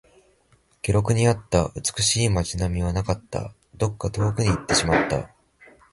記録にあった美しい街並みはなかった。どこか遠くに行ってしまった。